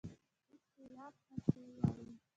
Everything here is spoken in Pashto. موږ سېلاب ته سېل وايو.